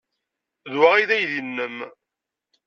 D wa ay d aydi-nnem?